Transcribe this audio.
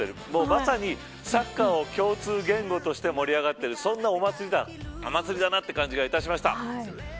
まさにサッカーを共通言語として盛り上がっているそんなお祭りだなという感じがいたしました。